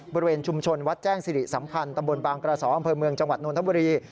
บริเวณชุมชนวัดแจ้งสิริสัมพันธ์ตำบลบางกระสออำเภอเมืองจังหวัดนทบุรี